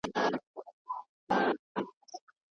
د حيوان د کنټرول آلې ته عقاله ويل کيږي.